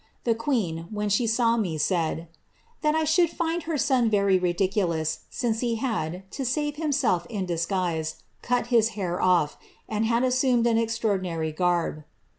The queen, whes she saw me, said, *> that I should find her son very ridiculous, since he had, to save himself in disguise, cut his hair off, and had assumed n extraordinar)' garb.